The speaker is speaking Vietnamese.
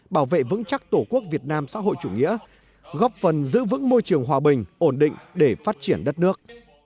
bảo vệ vững chắc tổ quốc việt nam xã hội chủ nghĩa góp phần giữ vững môi trường hòa bình ổn định để phát triển đất nước